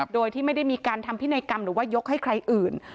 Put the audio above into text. โดยที่ไม่ได้มีการทำพินัยกรรมหรือว่ายกให้ใครอื่น